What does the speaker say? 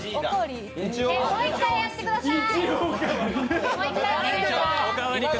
もう１回やってくださーい。